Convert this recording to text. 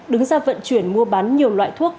đứng ra vận chuyển mua bán nhiều loại thuốc